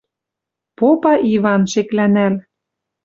Попа Иван, шеклӓнӓл: